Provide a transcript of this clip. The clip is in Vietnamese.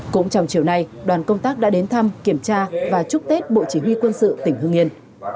cũng trong chiều nay đoàn công tác đã đến thăm kiểm tra và chúc tết bộ chỉ huy quân sự tỉnh hương yên